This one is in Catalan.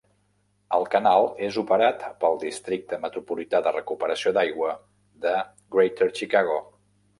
El canal és operat pel Districte Metropolità de Recuperació d'Aigua de Greater Chicago.